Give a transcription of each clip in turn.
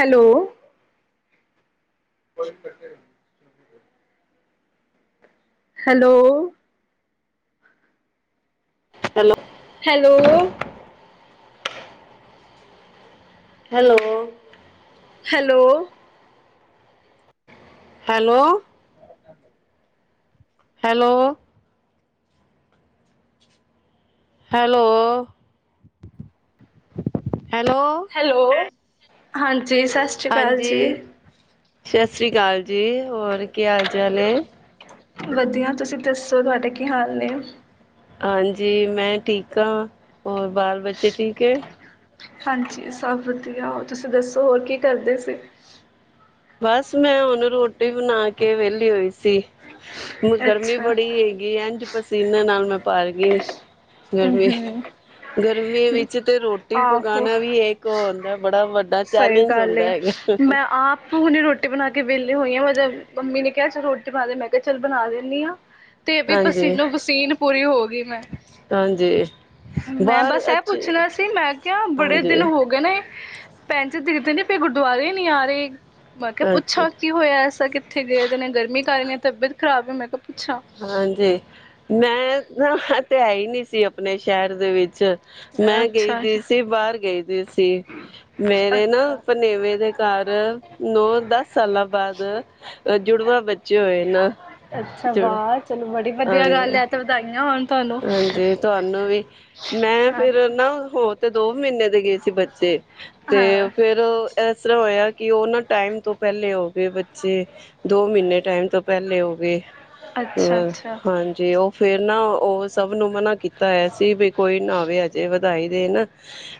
Hello. [unintelligible] Hello. Hello hello hello hello hello hello hello hello hello ਹਾਂਜੀ, ਸਤਿ ਸ਼੍ਰੀ ਅਕਾਲ ਹਾਂਜੀ ਜੀ। ਸਤਿ ਸ਼੍ਰੀ ਅਕਾਲ ਜੀ, ਹੋਰ ਕੀ ਹਾਲ ਚਾਲ ਆ। ਵਧੀਆ ਤੁਸੀਂ ਦੱਸੋ, ਤੁਹਾਡਾ ਕੀ ਹਾਲ ਨੇ। ਹਾਂਜੀ, ਮੈਂ ਠੀਕ ਹਾਂ ਹੋਰ ਬਾਲ ਬੱਚੇ ਠੀਕ ਏ। ਹਾਂਜੀ ਸਭ ਵਧੀਆ, ਉਹ ਤੁਸੀਂ ਦੱਸੋ ਹੋਰ ਕੀ ਕਰਦੇ ਸੀ। ਬਸ, ਮੈਂ ਹੁਣ ਰੋਟੀ ਬਣਾ ਕੇ ਵੇਲੀ ਹੋਈ ਸੀ। ਹੁਣ ਗਰਮੀ ਅੱਛਾ ਬੜੀ ਹੈਗੀ ਆ, ਇਝ ਪਸੀਨੇ ਨਾਲ ਮੈਂ ਪਾਰ ਗਈ। ਹਮ ਹਮ ਗਰਮੀ-ਗਰਮੀ ਵਿੱਚ ਤੇ ਰੋਟੀ ਆਹੋ ਪਕਾਉਣਾ ਵੀ ਇੱਕ ਉਹ ਹੁੰਦਾ ਬੜਾ ਵੱਡਾ ਸਹੀ ਚੈਲੇਂਜ ਗੱਲ ਹੁੰਦਾ ਏ ਹੈਗਾ। ਮੈਂ ਆਪ ਹੁਣੇ ਰੋਟੀ ਬਣਾ ਕੇ ਵਿਹਲੀ ਹੋਈ ਆ ਮਤਲਬ ਮੰਮੀ ਨੇ ਕਿਹਾ ਚਲ ਰੋਟੀ ਪਾ ਦੇ ਮੈਂ ਕਿਹਾ ਚੱਲ ਬਣਾ ਦਿੰਦੀ ਆ। ਤੇ ਵੀ ਹਾਂਜੀ ਪਸੀਨੋ-ਪਸੀਨ ਪੂਰੀ ਹੋ ਗਈ ਮੈਂ। ਹਾਂਜੀ ਮੈਂ ਬਾਹਰ ਬਸ ਇਹ ਅੱਛੇ ਪੁੱਛਣਾ ਸੀ, ਮੈਂ ਕਿਹਾ ਬੜੇ ਦਿਨ ਹਾਂਜੀ ਹੋ ਗਏ ਨੇ ਪੈਚ ਦੀਦੀ ਨੀ ਫਿਰ ਗੁਰਦੁਆਰੇ ਨੀ ਆ ਰਹੇ। ਮੈਂ ਕਿਹਾ ਹਾਂਜੀ ਪੁੱਛਾਂ ਕੀ ਹੋਇਆ ਐਸਾ, ਕਿਤੇ ਕਿੱਥੇ ਗਏ ਵੇ ਨੇ ਗਰ [unintelligible] ਖਰਾਬ ਹੀ ਮੈਂ ਕ ਹਾਂਜੀ ਮੈਂ ਨਾ ਤੇ ਹੈ ਹੀ ਨਹੀਂ ਸੀ। ਆਪਣੇ ਸ਼ਹਿਰ ਦੇ ਵਿੱਚ ਮੈਂ ਗਈ ਅੱਛਾ ਦੀ ਸੀ ਬਾਹਰ ਗਈ ਦੀ ਸੀ। ਸੀ ਮੇਰੇ ਨਾ ਅੱਛਾ ਭਨੇਵੇਂ ਦੇ ਘਰ ਨੌ, ਦਸ ਸਾਲਾਂ ਬਾਅਦ ਜੁੜਵਾ ਬੱਚੇ ਹੋਏ ਨਾ ਅੱਛਾ ਵਾਹ ਚਲੋ ਬੜੀ ਵਧੀਆ ਗੱਲ ਹਾਂਜੀ ਹੈ ਤੇ ਵਧਾਈਆਂ ਹੋਣ ਤੁਹਾਨੂੰ ਹਾਂਜੀ ਤੁਹਾਨੂੰ ਵੀ, ਮੈਂ ਫੇਿਰ ਹਾਂਜੀ ਨਾ ਹੋਰ ਤੇ ਦੋ ਮਹੀਨੇ ਦੇ ਗਏ ਸੀ ਬੱਚੇ ਤੇ ਹਾਂ ਫੇਰ ਇਸ ਤਰ੍ਹਾਂ ਹੋਇਆ ਕਿ ਉਹਨਾਂ ਟਾਈਮ ਤੋਂ ਪਹਿਲੇ ਹੋ ਗਏ ਬੱਚੇ ਦੋ ਮਹੀਨੇ ਟਾਈਮ ਤੋਂ ਪਹਿਲੇ ਹੋ ਗਏ ਅੱਛਾ ਅ ਅੱਛਾ ਹਾਂਜੀ ਉਹ ਫੇਰ ਨਾ ਉਹ ਸਭ ਨੂੰ ਮਨਾ੍ਹ ਕੀਤਾ ਹੈਆ ਸੀ ਵੀ ਕੋਈ ਨਾਵੇ ਅਜੇ ਢਾਈ ਦੇ ਨਾ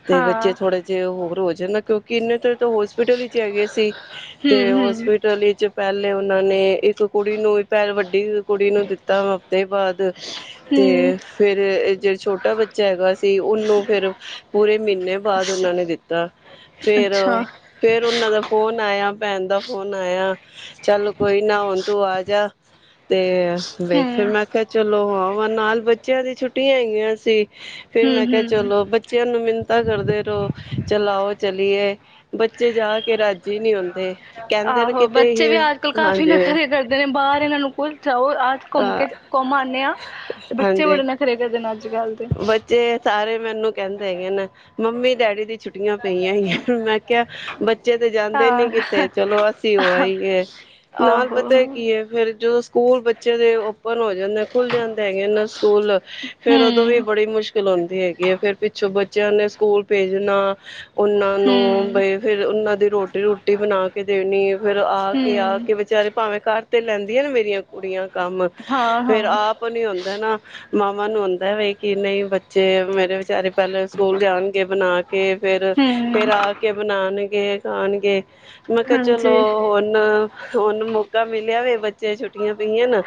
ਤੇ ਬੱਚੇ ਹਾਂ ਥੋੜੇ ਜਿਹੇ ਹੋਰ ਹੋ ਜਾਂਦਾ ਕਿਉਂਕਿ ਕਿੰਨੇ ਤੁ ਹੋਸਪਿਟਲ ਵਿਚ ਹੈਗੇ ਸੀ ਹਮ ਤੇ ਹਮ ਹੋਸਪਿਟਲ ਵਿੱਚ ਪਹਿਲੇ ਉਹ ਨੇ ਇੱਕ ਕੁੜੀ ਨੂੰ ਵੀ ਪੈਲ ਵੱਡੀ ਕੁੜੀ ਨੂੰ ਦਿੱਤੀ ਦੋ ਹਫ਼ਦੇ ਬਾਅਦ ਤੇ ਹਮ ਫੇਿਰ ਜਿਹੜੇ ਛੋਟੇ ਛੋਟਾ ਬੱਚਾ ਹੈਗਾ ਸੀ ਉਹਨੂੰ ਫੇਿਰ ਪੂਰੇ ਮਹੀਨੇ ਬਾਅਦ ਉਹਨਾਂ ਨੇ ਦਿੱਤਾ ਫੇਰ ਅੱਛਾ ਉਹ ਫੇਰ ਉਹਨਾਂ ਦਾ ਫੋਨ ਆਇਆ ਭੈਣ ਦਾ ਫੋਨ ਆਇਆ ਚੱਲ ਕੋਈ ਨਾ ਹੂਣ ਤੂੰ ਆ ਜਾ ਤੇ ਵੈ ਫੇਿਰ ਹਮ ਮੈਂ ਕਿਹਾਿਆ ਚਲੋ ਆਓ ਨਾਲ ਬੱਚਿਆਂ ਦੀ ਛੁੱਟੀਆਂ ਆਈਗੀਆਂ ਸੀ ਫੇਰ ਮੈਂ ਹਮ ਕਿਹਾ ਹਮ ਚਲੋ ਬੱਚਿਆਂ ਨੂੰ ਮੈਨੂੰ [unintelligible] ਕਰਦੇ ਰਹੋ। ਚਲ ਆਓ ਚਲੀਏ, ਬੱਚੇ ਜਾ ਕੇ ਰਾਜੀ ਨੀ ਹੁੰਦੇ, ਕਹਿੰਦੇ ਨੇ ਆਹੋ ਕਿਤੇ ਬੱਚੇ ਵੀ ਹਿਲਜ, ਅੱਜ ਕੱਲ੍ਹ ਕਾਫ਼ੀ ਹਾਂਜੀ। ਨਖਰੇ ਕਰਦੇ ਨੇ ਬਾਹਰ ਇਹਨਾਂ ਨੂੰ ਕੁਛ ਜਾਓ ਆਜ ਘੁੰਮ ਹਾਂ ਕੇ ਘੁੰਮ ਆਨੇ ਆ ਬੱਚੇ ਹਾਂਜੀ ਬੜੇ ਨਖਰੇ ਕਰਦੇ ਨੇ ਅੱਜਕੱਲ੍ਹ ਦੇ। ਰਹਿਗੇ ਨੇ। ਮੰਮੀ-ਡੈਡੀ ਦੀ ਛੁੱਟੀਆਂ ਪਈਆਂ ਹੋਈਆਂ ਮੈਂ ਕਿਹਾ ਬੱਚੇ ਤੇ ਜਾਂਦੇ ਨੀ ਕਿਤੇ ਹਾਂ ਚਲੋ ਅਸੀਂ ਹੋ ਆਈਏ। ਨਾਲ ਆਹੋ ਪਤਾ ਕੀ ਹੈ ਫਿਰ ਜੋ ਸਕੂਲ ਬੱਚੇ ਦੇ ਓਪਨ ਹੋ ਜਾਂਦੇ ਖੁੱਲ ਜਾਂਦੇ ਹੈਗੇ ਇਹਨਾਂ ਸਕੂਲ, ਫੇਰ ਉਦੋਂ ਵੀ ਹਮ ਬੜੀ ਮੁਸ਼ਕਿਲ ਹੁੰਦੀ ਹੈਗੀ ਹੈ ਫੇਰ ਪਿੱਛੋਂ ਬੱਚਿਆਂ ਨੇ ਸਕੂਲ ਭੇਜਣਾ ਉਹਨਾਂ ਨੂੰ ਹਮ ਬਈ ਫਿਰ ਉਹਨਾਂ ਦੀ ਰੋਟੀ-ਰੂਟੀ ਬਣਾ ਕੇ ਦੇਣੀ ਫਿਰ ਆ ਕੇ ਆ ਹਮ ਕੇ ਬੇਚਾਰੇ ਭਾਵੇਂ ਘਰ ਤੇ ਲੈਂਦੀਆਂ ਨਾ ਮੇਰੀਆਂ ਕੁੜੀਆਂ ਕੰਮ, ਹਾਂ ਹਾਂ ਫੇਰ ਆਪ ਨੀ ਹੁੰਦਾ ਨਾ। ਮਾਵਾਂ ਨੂੰ ਹੁੰਦਾ ਵਈ ਕੀ ਨਹੀਂ ਬੱਚੇ ਮੇਰੇ ਵਿਚਾਰੇ ਪਹਿਲਾਂ ਸਕੂਲ ਜਾਣਗੇ ਬਣਾ ਕੇ ਫੇਰ, ਹਮ ਫੇਰ ਆ ਕੇ ਬਣਾਣ ਗੇ ਖਾਣਗੇ। ਮੈਂ ਕਿਹਾ ਚਲੋ ਹਾਂਜੀ ਹੁਣ, ਹੁਣ ਮੌਕਾ ਮਿਲਿਆ ਵੇ ਬੱਚੇ ਛੁੱਟੀਆਂ ਪਈਆਂ ਨਾ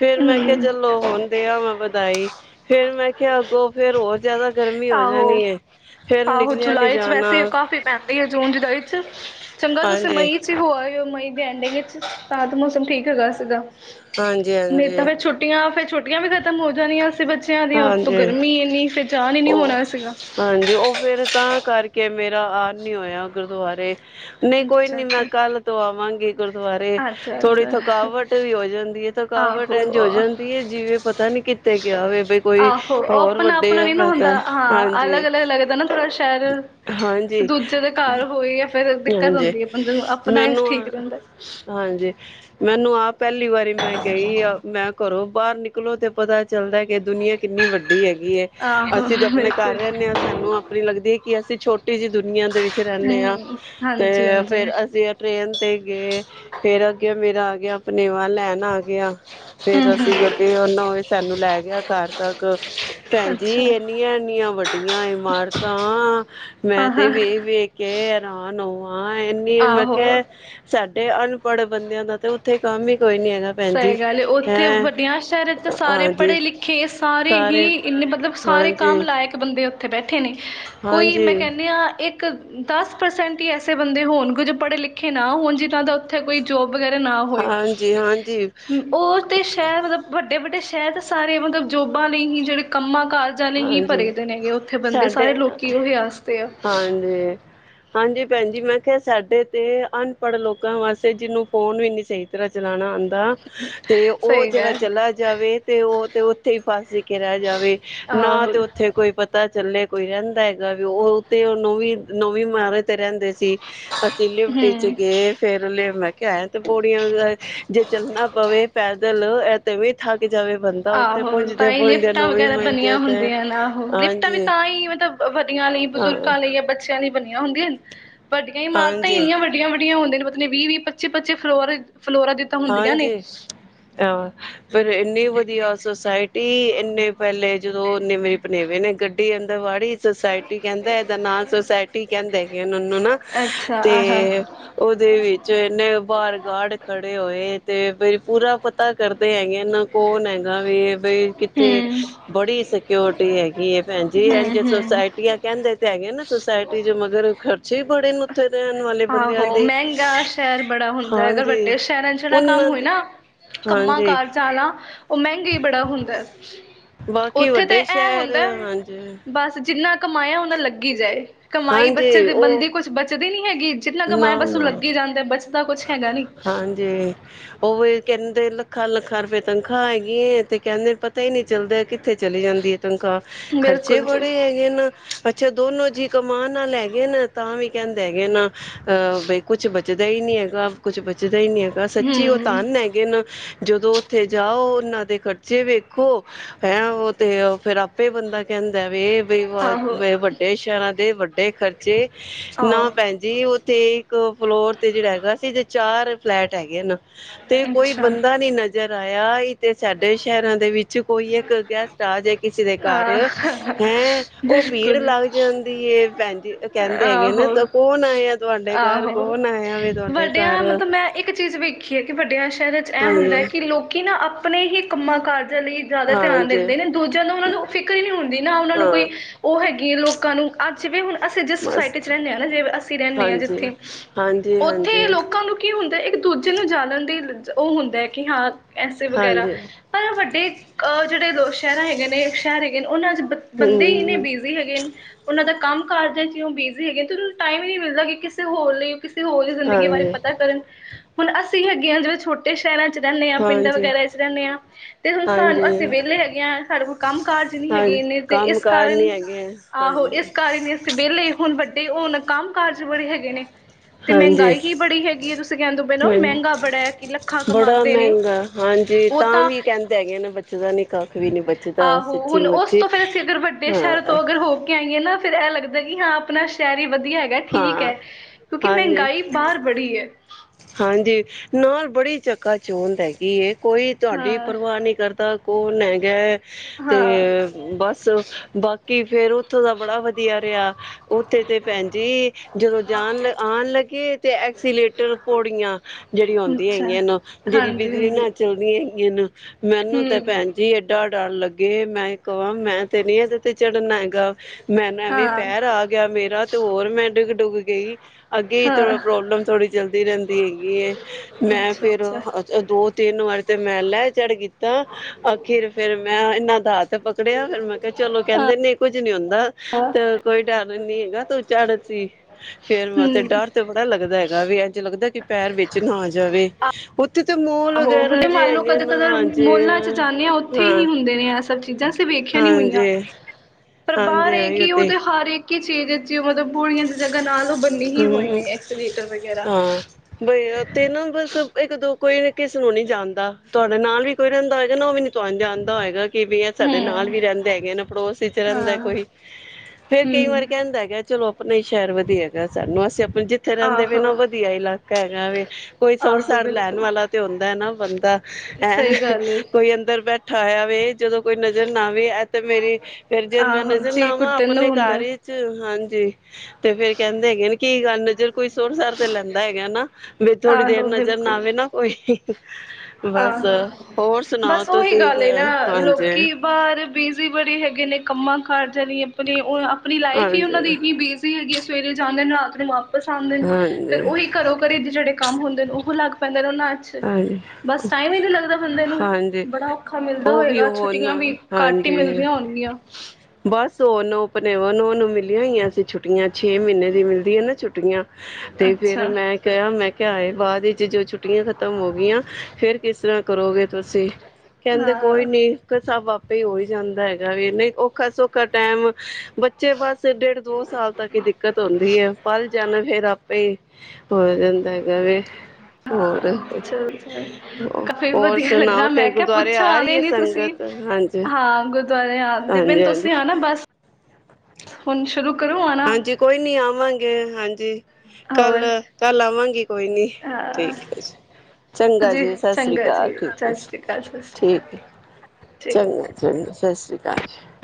ਫੇਰ ਮੈਂ ਕਿਹਾ ਚਲੋ ਹੁਣ ਦੇ ਆਵਾ ਵਧਾਈ ਫੇਰ ਮੈਂ ਕਿਹਾ ਅੱਗੋਂ ਫੇਰ ਉਹ ਆਹੋ, ਆਹੋ ਨਿਕਲਿਆ ਨੀ ਜੁਲਾਈ 'ਚ ਜਾਣਾ ਵੈਸੇ ਕਾਫ਼ੀ ਪੈਂਦੀ ਹੈ ਜੂਨ-ਜੁਲਾਈ ਚ, ਚੰਗਾ ਤੁਸੀਂ ਹਾਂਜੀ ਮਈ 'ਚ ਹੀ ਹੋ ਆਈ ਓ ਮਈ ਦੇ ਮਹੀਨੇ ਵਿੱਚ, ਤਾਂ ਤਾਂ ਮੌਸਮ ਠੀਕ ਅਗਸਤ ਦਾ। [unintelligible] ਹਾਂਜੀ ਮੇਰੇ ਤਾਂ ਹਾਂਜੀ ਫੇਰ ਛੁੱਟੀਆਂ ਫੇਰ ਛੁੱਟੀਆਂ ਵੀ ਖਤਮ ਹੋ ਜਾਣੀਆ। ਤੇ ਬੱਚਿਆਂ ਦੀ ਉਤੋਂ ਹਾਂਜੀ ਗਰਮੀ ਇੰਨੀ ਫਿਰ ਜਾਣ ਹੀ ਨਹੀਂ ਉਹ, ਹੋਣਾ ਸੀਗਾ। ਹਾਂਜੀ ਉਹ ਫੇਰ ਤਾਂ ਕਰਕੇ ਮੇਰਾ ਆਰ ਨੀ ਹੋਇਆ ਗੁਰਦੁਆਰੇ ਨਹੀਂ ਕੋਈ ਅੱਛਾ ਨੀ ਮੈਂ ਅੱਛਾ, ਕੱਲ ਤੋਂ ਆਵਾਂਗੀ ਗੁਰਦੁਆਰੇ। ਅੱਛਾ ਥੋੜੀ ਅੱਛਾ ਥਕਾਵਟ ਵੀ ਹੋ ਜਾਂਦੀ ਹੈ ਥਕਾਵਟ ਆਹੋ ਇੰਝ ਹੋ ਜਾਂਦੀ ਹੈ ਜਿਵੇਂ ਪਤਾ ਨੀ ਕਿੱਥੇ ਗਿਆ ਹੋਵੇ ਬਈ ਕੋਈ ਆਹੋ ਹੋਰ ਆਪਣਾ ਵੱਡੇ ਆਪਣਾ ਨੀ ਨਾ ਹੁੰਦਾ ਪਤਾ ਹਾਂ ਹਾਂਜੀ ਅਲੱਗ-ਅਲੱਗ ਲੱਗਦਾ ਨਾ ਥੋੜਾ ਸ਼ਹਿਰ, ਹਾਂਜੀ ਇੱਕ-ਦੂਜੇ ਦੇ ਘਰ ਹੋਏ ਜਾ ਫੇਰ ਹਾਂਜੀ, ਮੈਨੂੰ ਹਾਂਜੀ ਮੈਨੂੰ ਆਪ ਪਹਿਲੀ ਵਾਰੀ ਮੈਂ ਗਈ ਆ ਮੈਂ ਘਰੋ ਬਾਹਰ ਨਿਕਲੋ ਤੇ ਪਤਾ ਚੱਲਦਾ ਕਿ ਦੁਨੀਆਂ ਕਿੰਨੀ ਵੱਡੀ ਵੱਡੀ ਹੈਗੀ ਏ। ਆਹੋ ਅਸੀ ਤੇ ਆਪਣੇ ਕਰ ਬਿਲਕੁਲ ਰਹਿੰਣੇ ਆਂ ਸਾਨੂੰ ਆਪਣੀ ਲੱਗਦੀ ਕਿ ਅਸੀਂ ਛੋਟੇ ਛੋਟੀ ਜਿਹੀ ਦੁਨੀਆਂ ਦੇ ਵਿੱਚ ਰਹਿੰਦੇ ਆਂ ਹੂੰ ਤੇ ਹਾਂਜੀ ਹਾਂਜੀ ਫੇਰ ਅਸੀਂ ਆ ਟ੍ਰੇਨ ਤੇ ਗਏ ਫੇਰ ਅੱਗੇ ਮੇਰਾ ਆ ਗਿਆ। ਪਨੇਵਾ ਲੈਣ ਆ ਗਿਆ, ਫੇਰ ਹੂੰ ਅਸੀਂ ਗੱਡੇ ਉਹਨਾਂ ਸਾਨੂੰ ਲੈ ਗਿਆ ਘਰ ਤੱਕ ਭੈਣ ਜੀ ਅੱਛਾ ਇੰਨੀਆਂ ਇਨੀਆਂ ਵੱਡੀਆਂ ਇਮਾਰਤਾਂ ਮੈਂ ਤੇ ਆਹ ਵੇਖ-ਵੇਖ ਕੇ ਹੈਰਾਨ ਹੋਵਾਂ ਹਾਂ ਇੰਨੀ ਮੈ ਆਹੋ ਕਿਆ, ਸਾਡੇ ਅਣ ਪੜ ਬੰਦਿਆਂ ਦਾ ਤੇ ਉੱਥੇ ਕੰਮ ਹੀ ਕੋਈ ਨੀ ਹੈਗਾ ਭੈਣ ਸਹੀ ਜੀ ਗੱਲ ਉੱਥੇ ਹੈਂ ਵੱਡੀਆਂ ਸ਼ਹਿਰ ਤੇ ਸਾਰੇ ਹਾਂਜੀ ਪੜ੍ਹੇ ਲਿਖੇ ਸਾਰੇ ਹੀ ਇੰਨੇ ਮਤਲਬ ਸਾਰੇ ਹਾਂਜੀ ਕੰਮ ਲਾਇਕ ਬੰਦੇ ਉੱਥੇ ਬੈਠੇ ਨੇ, ਕੋਈ ਹਾਂਜੀ ਮੈਂ ਕਹਿੰਣੀ ਆਂ ਇੱਕ ਦਸ ਪ੍ਰਸੈਂਟ ਹੀ ਐਸੇ ਬੰਦੇ ਹੋਣ ਕੁਝ ਪੜ੍ਹੇ-ਲਿਖੇ ਨਾ ਹੋਣ ਜਿਹਨਾਂ ਦਾ ਉੱਥੇ ਕੋਈ ਜੋਬ ਵਗੈਰਾ ਨਾ ਹੋਏ ਹਾਂਜੀ ਹਾਂਜੀ। ਉਹ ਤੇ ਸ਼ਾਇਦ ਮਤਲਬ ਵੱਡਾ ਵੱਡੇ-ਵੱਡੇ ਸ਼ਹਿਰ ਸਾਰੇ ਮਤਲਬ ਜੋਬਾਂ ਲਈ ਹੀ ਜਿਹੜੇ ਕੰਮਾਂ ਕਾਰਜਾਂ ਲਈ ਹੀ ਹਾਂਜੀ ਭਰੇ ਦੇ ਨੇ ਹੈਗੇ ਉੱਥੇ ਬੰਦੇ ਸਾਡੇ ਸਾਰੇ ਲੋਕੀ ਉਹੀ ਵਸਤੇ ਆ ਹਾਂਜੀ [unintelligible] ਹਾਂਜੀ ਭੈਣ ਜੀ, ਮੈਂ ਕਿਹਾ ਸਾਡੇ ਤੇ ਅਨਪੜ੍ਹ ਲੋਕਾਂ ਵਾਸਤੇ ਜਿਹਨੂੰ ਫੋਨ ਵੀ ਨੀਂ ਸਹੀ ਤਰ੍ਹਾਂ ਚਲਾਣਾ ਆਂ ਦਾ ਤੇ ਉਹ ਸਹੀ ਜਿੜਾ ਗੱਲ ਚਲਾ ਜਾਵੇ ਤੇ ਉਹ ਤੇ ਉੱਥੇ ਹੀ ਫਸ ਕੇ ਰਹਿ ਜਾਵੇ। ਨਾ ਆਹੋ ਤੇ ਉੱਥੇ ਕੋਈ ਪਤਾ ਚੱਲੇ ਕੋਈ ਰਹਿੰਦਾ ਹੈਗਾ ਵੀ ਉਹ ਉ ਤੇ ਨੌਵੀਂ, ਨੋਵੀਂ ਇਮਾਰਤ ਤੇ ਰਹਿੰਦੇ ਸੀ। ਅਸੀਂ ਲਿਫਟੀ ਇੱਚ ਹਮ ਗਏ ਫਿਰ ਲ ਮੈਂ ਕ ਤੇ ਬੋੜੀਆਂ ਜੇ ਚੱਲਣਾ ਪਵੇ ਪੈਦਲ ਇਹ ਤਵੇਂ ਥੱਕ ਜਾਵੇ ਬੰਦਾ ਉੱਥੇ ਭੁੰਜਦਿਆਂ ਭੁੰਜਦਿਆਂ ਨੋਵੀਂ ਮਂ ਆਂ ਹੁੰਦੀਆਂ ਨਾਂ ਉਹ ਲਿਫਟਾਂ ਵੀ ਤਾਂ ਈਂ ਮਤਲਬ ਵਡੀਆਂ ਲਈ, ਹਾਂ ਬਜ਼ੁਰਗਾਂ ਲਈ ਜਾਂ ਬੱਚਿਆਂ ਲਈ ਬਣੀ ਹੁੰਦੀ ਨੇ ਵੱਡੀਆਂ ਇਮਾਰਤਾਂ ਹਾਂਜੀ ਇੰਨੀਆਂ ਵੱਡੀਆਂ-ਵੱਡੀਆਂ ਹੁੰਦੀਆਂ ਨੇ ਪਤਲਬ ਵੀਹ-ਵੀਹ ਪੱਚੀ ਪੱਚੀ ਫਲੋਰ ਚ ਹਾਂਜੀ, ਆਹ ਪਰ ਇੰਨੀ ਵਧ ਦੀ ਆ ਸੋਸਾਇਟੀ ਇੰਨੇ ਪਹਿਲੇ ਜਦੋਂ ਇੰਨੇ ਮੇਰੀ ਪਨੇਵੇਂ ਨੇ ਗੱਡੀ ਅੰਦਰ ਵਾੜੀ ਸੁਸਾਇਟੀ ਕਹਿੰਦਾ ਇਹਦਾ ਨਾਂ ਸੁੋਸਾਇਟੀ ਕਹਿੰਦੇ ਐ ਨੂੰ ਨਾਂ ਅੱਛਾ ਤੇ ਆਹ ਹਮ ਉਹਦੇ ਵਿੱਚ ਇਹਨੇ ਬਾਰ ਗਾਡ ਖੜ ਹੋਏ ਤੇ ਬ ਪੂਰਾ ਪਤਾ ਕਰਦੇ ਹੈਗੇ ਇਹਨਾਂ ਕੋ ਕੌਣ ਹੈਗਾ? ਵੀ ਬਈ ਕਿੱਥੇ ਬੜੀ ਸਕਿਓਰਟੀ ਹੈਗੀ। ਵੀਏ ਹਮ ਭੈਣਜੀੇ ਹਮ ਸੋਸਾਇਟੀਆਂ ਕਹਿੰਦੇ ਤੇ ਹੈਗੇ ਨੇ ਸੁਸਾਇਟੀ ਚ ਮਗਰ ਖਰਚੇ ਹੀ ਬੜੇ ਨੇ ਉੱਥੇ ਰਹਿਣ ਵਾਲੇ ਬੰਦਿਆਂ ਆਹੋ ਦੇ ਮਹਿੰਗਾ ਸ਼ਹਿਰ ਬੜਾ ਹੁੰਦਾ ਹੈਗਾ ਹਾਂਜੀ ਵੱਡੇ ਸ਼ਹਿਰ ਇੰਜ ਕੰਮ ਉਹਨਾਂ ਹੋਏ ਦੇ ਨਾ ਕੰਮਾਂ ਹਾਂਜੀ ਕਾਰਜ ਵਾਲਾ ਉਹ ਮਹਿੰਗੇ ਹੀ ਬੜਾ ਹੁੰਦਾ ਬਾਕੀ ਉੱਥੇ ਤੇ ਵੱਡੇ ਐ ਸ਼ਹਿਰ ਹੁੰਦਾ ਹਾਂਜੀ ਬਸ ਜਿੰਨਾ ਕਮਾਇਆ ਉਹ ਨਾ ਲੱਗੀ ਜਾਏ ਕਮਾਈ ਬੱਚ ਹਾਂਜੀ ਬੰਦੀ ਉਹ ਕੁਛ ਬਚਦੀ ਨੀ ਹੈਗੀ ਜਿਤਨਾ ਕਮਾਇਆ ਨਾ ਬਸ ਉਹ ਨਾ ਲੱਗੀ ਜਾਂਦੈ ਬ ਹਾਂਜੀ ਉਹ ਵੀ ਕਹਿੰਦੇ ਨ ਲੱਖਾ ਰੁਪਏ ਤਨਖਾ ਹੈਗੀ ਆ ਤੇ ਕਹਿੰਦੇ ਨੇ ਪਤਾ ਹੀ ਨਹੀਂ ਚੱਲਦਾ ਕਿੱਥੇ ਚਲੀ ਜਾਂਦੀ ਹੈ ਤਨਖਾਹ ਖਰਚੇ ਬਿਲਕੁਲ ਜੀ ਬੜੇ ਹੈਗੇ ਨਾ ਅੱਛਾ ਦੋਨੋ ਜੀ ਕਮਾ ਨਾਲ ਹੈਗੇ ਨਾ ਤਾਂ ਵੀ ਕਹਿੰਦੇ ਹੈਗੇ ਨਾ ਅ ਬ ਕੁਛ ਬ ਜਦ ਹੀ ਨਹੀਂ ਹੈਗਾ ਸਭ ਕੁਛ ਬੱਚੇ ਹੀ ਨਹੀਂ ਹੈਗਾ ਸੱਚੀ ਉਹ ਹੂੰ ਤਨ ਹੈਗੇ ਨਾ ਜਦੋਂ ਉੱਥੇ ਜਾਓ ਉਹਨਾਂ ਦੇ ਖ ਬੱਚੇ ਵੇਖੋ ਹੈਂ ਉਹ ਤੇ ਫੇਰ ਆਪੇ ਬੰਦਾ ਕਹਿੰਦਾ ਆਹੋ ਵੱਡੇ ਸ਼ਹਿਰਾਂ ਦੇ ਵੱਡੇ ਖਰਚ ਜੇ ਨਾ ਆਹੋ ਭੈਣ ਜੀ ਉ ਤੇ ਇੱਕ ਫਲੋਰ ਤੇ ਜਿਹੜਾ ਹੈਗਾ ਚਾਰ ਫਲੈਟ ਹੈਗੇ ਨਾ ਤੇ ਕੋਈ ਅੱਛਾ। ਬੰਦਾ ਨੀ ਨਜ਼ਰ ਆ ਆਇ ਤੇ ਸਾਡੇ ਸ਼ਹਿਰਾਂ ਦੇ ਵਿੱਚ ਕੋਈ ਇੱਕ ਗੈਸਟ ਆ ਜੇ ਕਿਸੇ ਦੇ ਘਰ ਆਹ ਹੈਂ ਉਹ ਭੀੜ ਬਿਲਕੁਲ ਲੱਗ ਜਾਂਦੀ ਏ ਭੈਣ ਜੀ ਕਹਿੰਦੇ ਹੈਗੇ ਨਾ ਆਹੋ ਕੌਣ ਆਏ ਆ ਤੁਹਾਡੇ ਘਰ ਆਹੋ ਕੌਣ ਆਇਆ ਵੇ ਤੁਹਾਡੇ? ਘਰ ਮੈਂ ਇੱਕ ਚੀਜ਼ ਵੇਖੀ ਹੈ ਕਿ ਵੱਡਿਆਂ ਸ਼ਹਿਰਾਂ ਚ' ਐਹ ਹੁੰਦਾ ਹਾਂਜੀ ਕਿ ਲੋਕੀ ਨਾ ਆਪ ਆਪਣੇ ਹੀ ਕੰਮਾਂ ਕਾਰ [unintelligible] ਲਈ ਜ਼ਿਆਦਾ ਧਿਆਨ ਹਾਂਜੀ ਦਿੰਦੇ ਨੇ ਦੂਜਿਆਂ ਨੂੰ ਉਹਨਾਂ ਨੂੰ ਫਿਕਰ ਹੀ ਨਹੀਂ ਹੁੰਦੀ ਨਾ ਉਹਨਾਂ ਨੂੰ ਕੋਈ ਹਾਂ ਉਹ ਹੈਗੀ ਹੈ ਲੋਕਾਂ ਨੂੰ ਆਹ ਜਿਵੇਂ ਹੁਣ ਅਸੀਂ ਜਿਸ ਬਸ ਸੋਸਾਇਟੀ ਚ ਰਹਿੰਦੇ ਹਾਂ ਨਾ ਜੇਵੇਂ ਅਸੀਂ ਰਹਿੰਦੇ ਹਾਂ ਹਾਂਜੀ ਜਿੱਥੇ ਹਾਂਜੀ ਉੱਥੇ ਹਾਂਜੀ ਲੋਕਾਂ ਨੂੰ ਕੀ ਹੁੰਦਾ ਇੱਕ ਦੂਜੇ ਨੂੰ ਜਾਲਣ ਦੀ ਉਹ ਹੁੰਦਾ ਹੈ ਕਿ ਹਾਂ ਐਸੇ ਵਗੈਰਾ ਹਾਂਜੀ ਪਰ ਵੱਡੇ ਅਹ ਜਿਹੇ ਦੋ ਸ਼ੇਹਰਾ ਹੈਗੇ ਨੇ ਇੱਕ ਸ਼ਹਿਰ ਹੈਗੇ ਉਹਨਾਂ ' ਬੰਦੇ ਹੀ ਇਨੇ ਹਮ ਬਿਜੀ ਹੈਗੇ ਨੇ ਉਹਨਾਂ ਦਾ ਕੰਮ ਕਾਰਜਾਂ ਚਂ ਬਿਜ਼ੀ ਹੈਗੇ ਤੇ ਉਹਨਾ ਨੂੰ ਟਾਈਮ ਨੀ ਮਿਲਦਾ ਕਿ ਕਿਸੇ ਹੋਰ ਲਈ ਕਿਸੇ ਕਿਸੇ ਹੋਰ ਦੀ ਜ਼ਿੰਦਗੀ ਬਾਰੇ ਹਾਂਜੀ, ਪਤਾ ਕਰਨ ਹੁਣ ਅਸੀਂ ਹੈਗੇ ਹਾਂ ਜਿਵੇਂ ਛੋਟੇ ਸ਼ਹਿਰਾਂ ਚ ਰਹਿੰਦੇ ਹਾਂ ਪਿੰਡਾਂ ਹਾਂਜੀ, ਵਗੈਰਾ ਚ ਰਹਿੰਦੇ ਹਾਂ ਤੇ ਹੁਣ ਹਾਂਜੀ, ਸਾਨੂੰ ਅਸੀਂ ਵਿਹਲੇ ਹੈਗੇ ਹਾਂ ਸਾਡੇ ਕੋਲ ਕੰਮ ਕਾਰਜ ਨੀ ਹੈਗੇ ਹਾਂਜੀ ਇਨੇ ਤੇ ਕੰਮ ਇਸ ਕਾਰ ਕਾਰਨ ਨੀ ਹੈਗੇ ਆਹੋ ਹਾਂਜੀ, ਇਸ ਕਾਰਨ ਹੁਣ ਵੱਡੇ ਹੁਣ ਕੰਮ ਕਾਰਜ ਬੜੇ ਹੈਗੇ ਨੇ ਤੇ ਹਾਂਜੀ, ਮਹਿੰਗਾਈ ਹੀ ਬੜੀ ਹੈਗੀ ਹੈ ਤੁਸੀਂ ਕਹਿੰਦੇ ਪਏ ਨਾ ਹਾਂਜੀ ਮਹਿੰਗਾ ਬੜਾ ਹੈ ਕਿ ਲੱਖਾਂ ਬੜਾ ਕਮਾਉਂਦੇ ਨੇ ਮਹਿੰਗਾ ਹਾਂਜੀ ਉਹ ਤਾਂ ਵੀ ਕਹਿੰਦੇ ਹੈਗੇ ਨੇ ਬਚਦਾ ਨੀ ਕੱਖ ਵੀ ਨੀ ਬਚਦਾ ਆਹੋ ਸੱਚੀ ਹੁਣ ਉਸ ਮੁੱਚੀ ਤੋਂ ਫੇਰ ਅਸੀਂ ਅਗਰ ਵੱਡੇ ਸ਼ਹਿਰ ਹਾਂ ਤੋਂ ਅਗਰ ਹੋ ਕੇ ਆਈਏ ਨਾ ਫਿਰ ਇਹ ਲੱਗਦਾ ਹਾਂ ਵੀ ਆਪਣਾ ਸ਼ਹਿਰ ਹੀ ਵਧੀਆ ਵਧੀਆ ਹੈਗਾ ਠੀਕ ਹਾਂ ਹੈ ਕਿਉਂਕਿ ਹਾਂਜੀ ਮਹਿੰਗਾਈ ਬਾਹਰ ਬੜੀ ਹੈ ਹਾਂਜੀ ਨਾਲ ਬੜੀ ਚਕਾਚੌਂਦ ਹੈਗੀ ਕੋਈ ਤੁਹਾਡੀ ਹਾਂ ਪਰਵਾਹ ਨਹੀਂ ਕਰਦਾ ਫੋਨ ਹੈਗਾ ਤੇ ਹਾਂ ਬਸ ਬਾਕੀ ਫੇਰ ਉੱਥੋਂ ਦਾ ਬੜਾ ਵਧੀਆ ਰਿਹਾ ਉੱਥੇ ਤਾਂ ਭੈਣ ਜੀ ਜਦੋਂ ਜਾਣ ਲ ਆਉਣ ਲੱਗੇ ਤੇ ਐਕਸੀਲੇਟਰ ਪੌੜੀਆਂ ਜਿਹੜੀ ਆਉਂਦੀਆਂ ਅੱਛਾ ਹੈਗੀਆਂ ਨੇ ਜਿਹੜੀ ਹਾਂਜੀ ਬਿਜਲੀ ਹਾਂਜੀ ਨਾ ਚੱਲਦੀਆਂ ਹੈਗੀਆਂ ਨੇ ਮੈਨੂੰ ਤੇ ਹਮ ਭੈਣ ਜੀ ਏਡਾ ਡਰ ਲੱਗ ਗੇ ਮੈਂ ਕਵਾ ਮੈਂ ਤੇ ਨੀ ਇਹਦੇ ਤੇ ਚੜਨਾ ਹੈਗਾ [unintelligible] ਮੈ ਐਵੇ ਹਾਂ ਪੈਰ ਆ ਗਿਆ ਮੇਰਾ ਤੇ ਹੋਰ ਮੈਂ ਡਿੱਗ ਡੁੱਗ ਗਈ ਅੱਗੇ ਥੋੜਾ ਹਾਂ ਪ੍ਰੌਬਲਮ ਥੋੜੀ ਚਲਦੀ ਦੀ ਰਹਿੰਦੀ ਹੈਗੀ ਏ ਮੈਂ ਅੱਛਾ ਫ਼ਿਰ ਅੱਛਾ ਦੋ ਤਿੰਨ ਵਾਰ ਤੇ ਮੈਂ ਲੈ ਚੜ੍ਹ ਕੀਤਾ ਆਖਿਰ ਫਿਰ ਮੈਂ ਇਨਾ ਦਾ ਹੱਥ ਪਕੜਿਆ ਫਿਰ ਮੈਂ ਕਿਹਾ ਚਲੋ ਹਾਂ ਕਹਿੰਦੇ ਨਹੀਂ ਕੁੱਝ ਨੀ ਹੁੰਦਾ ਹਮ ਤੇ ਕੋਈ ਡਰ ਨੀ ਹੈਗਾ ਤੂੰ ਚੜ ਤ ਫੇਰ ਮੈਂ ਤੇ ਡਰ ਤੇ ਬੜਾ ਲੱਗਦਾ ਹੈਗਾ ਵੀ ਅੱਜ ਕਿ ਪੈਰ ਵਿੱਚ ਨਾ ਆ ਜਾਵੇ ਉੱਥੇ ਤੇ ਮੋਲ ਆਹੋ ਵਗੈਰਾ ਹੁਣ ਜੇ ਮੰਨ ਲਓ ਹੈਗੇ ਕਦੇ ਨਾ ਕਦੇ ਹਾਂਜੀ ਮੌਲਾ ਚ ਜਾਂਦੇ ਹਾਂ ਉੱਥੇ ਹੀ ਹੁੰਦੇ ਨੇ ਇਹ ਸਭ ਚੀਜ਼ਾਂ ਅਸੀਂ ਵੇਖੀਆਂ ਨੀ ਹੋਈਆਂ ਹਾਂਜੀ ਪਰ ਬਾਹਰ ਹਾਂਜੀ ਇਹ ਆਈ ਉ ਕਿ ਉਹ ਤੇ ਹਰ ਇੱਕ [unintelligible] ਹਮ ਹੋਏ ਨੇ ਐਕਸਲੇਟਰ ਵਗੈਰਾ ਹਾਂ ਬਈ ਤੇ ਨਾ ਬਸ ਇੱਕ ਦੋ ਕੋਈ ਕਿਸੇ ਨੂੰ ਨੀ ਜਾਣਦਾ ਤੁਹਾਡੇ ਨਾਲ ਵੀ ਕੋਈ ਰਹਿੰਦਾ ਹੋਏਗਾ ਨਾ ਉਹ ਵੀ ਨੀ ਤੁਹਾਨੂੰ ਜਾਣਦਾ ਹੋਏਗਾ ਕਿ ਵੀ ਈ ਆ ਸਾਡੇ ਨਾਲ ਹੂੰ ਵੀ ਰਹਿੰਦੇ ਹੈਗੇ ਨਾ ਪੜੋਸ ਵਿੱਚ ਰਹਿੰਦਾ ਹਾਂ ਕੋਈ ਫੇਰ ਕਈ ਵਾਰ ਹੂੰ ਕਹਿ ਦਿੰਦਾ ਹੈਗਾ ਚਲੋ ਆਪਣਾ ਸ਼ਹਿਰ ਵਧੀਆ ਅਛਾ ਸ ਜਿੱਥੇ ਰਹਿੰਦੇ ਵੀ ਆਹੋ ਨਾ ਉਹ ਵਧੀਆ ਇਲਾਕਾ ਹੈਗਾ ਵ ਕੋਈ ਸੁਰ ਆਹੋ ਸਾਰ ਲੈਣ ਬਿਲਕੁਲ ਵਾਲਾ ਤੇ ਹੁੰਦਾ ਹੈ ਨਾ ਬੰਦਾ ਸਹੀ ਹੈਂ ਗੱਲ ਏ ਕੋਈ ਅੰਦਰ ਬੈਠ ਉਠਾਇਆ ਵ ਜਦੋਂ ਕੋਈ ਨਜ਼ਰ ਨਾਵੇ ਐ ਤੇ ਮੇਰੀ ਫਰ ਜੇ ਮੈਂ ਆਹੋ ਨਜ਼ਰ ਜੀ ਨਾਵਾਂ ਕੁੱਟਣ ਨੂੰ ਆਪਣੇ ਹੁੰਦਾ ਘਰ ਚ ਹਾਂਜੀ ਤੇ ਫੇਰ ਕਹਿੰਦੇ ਹੈਗੇ ਨੇ ਕਿ ਇਹ ਗੱਲ ਨਜ਼ਰ ਕੋਈ ਸੁਰ ਸਾਰ ਤੇ ਲੈਂਦਾ ਹੈਗਾਾ ਵੀ ਥੋੜ੍ਹੀ ਦੇਰ ਆਹੋ ਨਜ਼ਰ ਨਾ ਬਿਲਕੁਲ ਆਵੇ ਨਾ ਕੋਈ ਬਸ ਆਹੋ ਹੋਰ ਸੁਣਾਓ ਬਸ ਉਹੀ ਤੁਸੀਂ ਗੱਲ ਨਾ ਹਾਂਜੀ ਲੋਕੀ ਬਾਹਰ ਬਿਜ਼ੀ ਬੜੇ ਹੈਗੇ ਨੇ ਕੰਮਾਂ ਕਰਜ਼ਾ ਚ ਆਪਣੀ ਉਹ ਆਪਣੀ ਲਾਈਫ ਹੀ ਹਾਂਜੀ ਉਹਨਾਂ ਦੀ ਇੰਨੀ ਬਿਜ਼ੀ ਹੈਗੀ ਹੈ ਸਵੇਰੇ ਜਾ ਦੇ ਰਾਤ ਨੂੰ ਵਾਪਿਸ ਪਸੰਦ ਨੇ ਫਿਰ ਹਾਂਜੀ ਉਹੀ ਘਰੋਂ ਘਰੇ ਦੀ ਜਿਹੜੇ ਕੰਮ ਹੁੰਦੇ ਨੇ ਉਹ ਲੱਗ ਪੈਂਦੇ ਕਰੋ ਨਾ ਹਾਂਜੀ ਆਸ਼ਾ ਟਾਈਮ ਹੀ ਨੀ ਲੱਗਦਾ ਬੰਦੇ ਨੂੰ ਹਾਂਜੀ ਬੜਾ ਔਖਾ ਮਿਲਦਾ ਉਹ ਵੀ ਹੋਏਗਾ ਹੁਣ ਛੁੱਟੀਆਂ ਵੀ ਘੱਟ ਹੀ ਮਿਲਦੀਆਂ ਹੋਣਗੀਆਂ ਉਹ ਨੋ ਆਪਣੇ ਨੋ ਨੂੰ ਮਿਲੀਆਂ ਹੋਈਆਂ ਅਸੀਂ ਛੁੱ ਛੁੱਟੀਆਂ ਛੇ ਮਹੀਨੇ ਦੀ ਮਿਲਦੀ ਹੈ ਨਾ ਛੁੱਟੀਆਂ ਤੇ ਫੇਰ ਅੱਛਾ ਮੈਂ ਕਿਹਾ ਮੈਂ ਕਿਹਾ ਆਏ ਬਾਅਦ ਵਿੱਚ ਜੋ ਛੁੱਟੀਆਂ ਖਤਮ ਹੋ ਗਈਆਂ ਫੇਰ ਕਿਸ ਤਰ੍ਹਾਂ ਕਰੋਗੇ ਤੁਸੀਂ ਕਹਿੰਦੇ ਕੋਈ ਹਾਂ ਨੀ ਸਭ ਆਪੇ ਹੋ ਹੀ ਜਾਂਦਾ ਹੈਗਾ ਵੀ ਨਹੀਂ ਔਖਾ ਸੌਖਾ ਟਾਈਮ ਬੱਚੇ ਬਸ ਡੇਢ ਦੋ ਸਾਲ ਤੱਕ ਹੀ ਦਿੱਕਤ ਆਉਂਦੀ ਹੈ ਪਲ ਜਾਣਾ ਫਿਰ ਆਪੇ ਹੋ ਜਾਂਦਾ ਹੈਗਾ ਵੀ ਹੋਰ ਕਾਫੀ ਹੋਰ ਵਧੀਆ ਲੱਗਾ ਸੁਣਾਓ ਮੈਂ ਫੇਰ ਕਿਹਾ ਗੁਰਦੁਆਰੇ ਆ ਪੁੱਛਾਂ ਰਹੀ ਹੈ ਨੀ ਤੁਸੀਂ ਸੰਗਤ ਹਾਂਜੀ ਹਾਂ ਗੁਰਦੁਆਰੇ ਆਉਂਦੇ ਪਰ ਹਾਂਜੀ ਹਾਂਜੀ ਤੁਸੀਂ ਆ ਨਾ ਬਸ ਹੁਣ ਸ਼ੁਰੂ ਕਰੋ ਆਣਾ ਹਾਂਜੀ ਕੋਈ ਨੀ ਆਵਾਂਗੇ ਹਾਂਜੀ ਅਤੇ ਕੱਲ ਹੋਰ ਕੱਲ ਆਵਾਂਗੀ ਕੋਈ ਨੀ ਠੀਕ ਹੈ ਹਾਂ ਜੀ ਚੰਗਾ ਜੀ ਚੰਗਾ ਜੀ ਸਤਸ੍ਰੀਅਕਾਲ ਠੀਕ ਹੈ ਸਤਿ ਜੀ ਸ਼੍ਰੀ ਅਕਾਲ ਸਤਿ ਸ਼੍ਰੀ ਠੀਕ ਅਕਾਲ ਠੀਕ ਚੰਗਾ ਚੰਗਾ ਸਤਿ ਸ਼੍ਰੀ ਅਕਾਲ ਜੀ ਅੱਾ